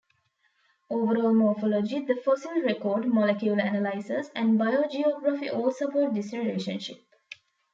Overall morphology, the fossil record, molecular analyses, and biogeography all support this relationship.